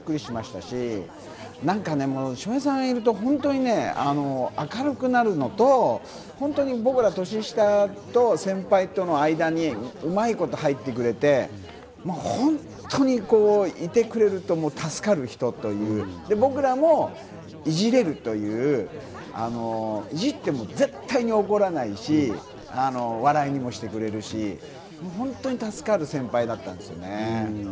本当にびっくりしましたし、笑瓶さんがいると本当に明るくなるのと、僕ら年下と先輩との間にうまいこと入ってくれて、本当にいてくれると助かる人という、僕らもいじれるという、いじっても絶対に怒らないし、笑いにもしてくれるし、本当に助かる先輩だったんですよね。